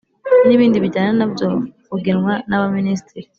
n ibindi bijyana na byo bugenwa naba minisitiri